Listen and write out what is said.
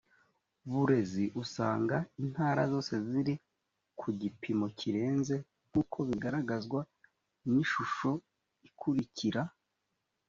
burezi usanga intara zose ziri ku gipimo kirenze nk uko bigaragazwa n ishusho ikurikira